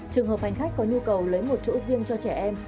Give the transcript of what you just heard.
trường hợp hành khách có nhu cầu lấy một chỗ riêng cho trẻ em